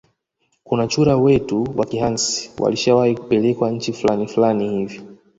Kuna chura wetu wa kihansi walishawahi pelekwa nchi flani flani hivi